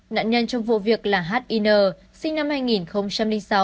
nạn nhân trong vụ việc là h i n sinh năm hai nghìn sáu